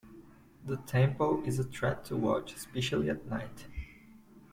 The temple is a treat to watch especially at night.